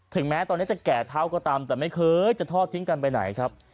แม้ตอนนี้จะแก่เท่าก็ตามแต่ไม่เคยจะทอดทิ้งกันไปไหนครับ